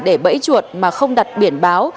để bẫy chuột mà không đặt biển báo